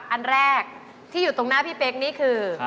อันแรกที่อยู่ตรงหน้าพี่เป๊กนี่คือ